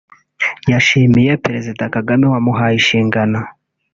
yashimiye Perezida Kagame wamuhaye inshingano